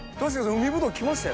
海ぶどうきましたよ。